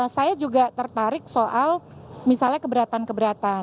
saya juga tertarik soal misalnya keberatan keberatan